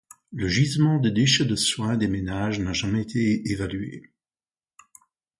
Le gisement des déchets de soins des ménages n'a jamais été évalué.